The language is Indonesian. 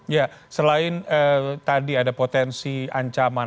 ya selain tadi ada potensi ancaman